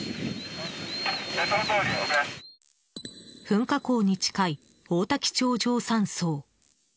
噴火口に近い王滝頂上山荘。